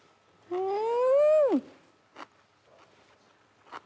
うん。